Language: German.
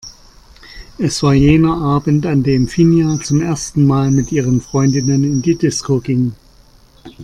Es war jener Abend, an dem Finja zum ersten Mal mit ihren Freundinnen in die Disco ging.